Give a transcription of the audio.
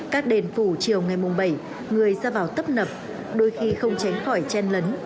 các đền phủ chiều ngày mùng bảy người ra vào tấp nập đôi khi không tránh khỏi chen lấn